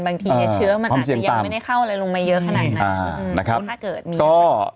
บางทีเชื้อมันอาจจะยังไม่ได้เข้าอะไรลงมาเยอะขนาดนั้น